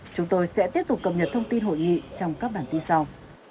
chúng tôi sẽ tiếp tục cập nhật thông tin hội nghị trong các bản tin sau